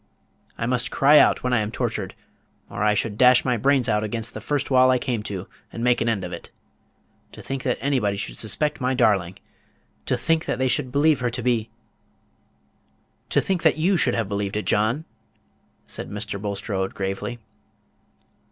I must cry out when I am tortured, or I should dash my brains out against the first wall I came to, and make an end of it. To think that anybody should suspect my darling! to think that they should believe her to be " "To think that you should have believed it, John!" said Mr. Bulstrode, gravely.